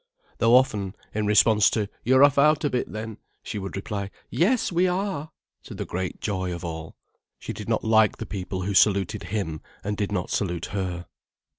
Though often, in response to "You're off out a bit then," she would reply, "Yes, we are," to the great joy of all. She did not like the people who saluted him and did not salute her.